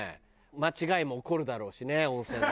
間違いも起こるだろうしね温泉なら。